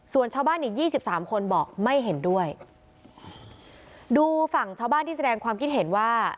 ส่วนชาวบ้านอีกยี่สิบสามคนบอกไม่เห็นด้วยดูฝั่งชาวบ้านที่แสดงความคิดเห็นว่า